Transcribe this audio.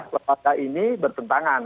lembaga ini bertentangan